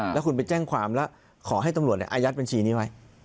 แล้วคุณไปแจ้งความแล้วขอให้ตำรวจอายัดบัญชีนี้ไว้